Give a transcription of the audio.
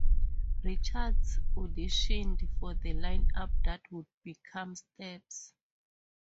Richards auditioned for the lineup that would become Steps.